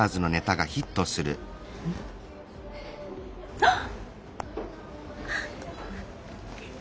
あっ！